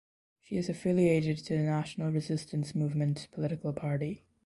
She is affiliated to the National Resistance Movement political party.